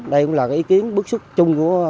đây cũng là ý kiến bước xuất chung của